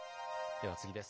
では次です。